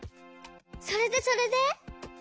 それでそれで？